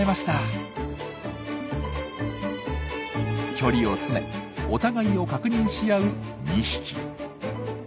距離を詰めお互いを確認し合う２匹。